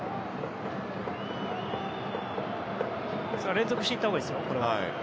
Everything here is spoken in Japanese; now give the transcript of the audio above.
連続して行ったほうがいいですよ。